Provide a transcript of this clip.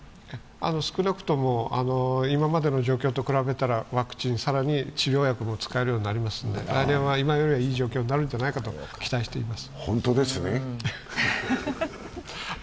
少なくとも今までの状況と比べたらワクチン、更に治療薬も使えるようになりますので来年は今よりはいい状況になるんじゃないかと期待しています。